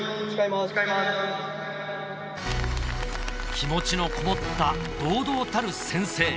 気持ちのこもった堂々たる宣誓